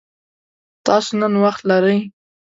تاسو نن وخت لری؟